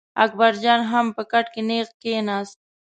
اکبر جان هم په کټ کې نېغ کېناست.